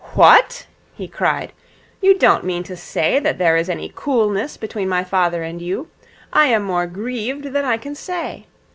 'What!' he cried. 'You don't mean to say that there is any coolness between my father and you? I am more grieved than I can say.